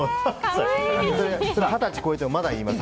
二十歳超えてもまだ言います。